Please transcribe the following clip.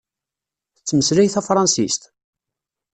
Tettmeslay tafṛansist?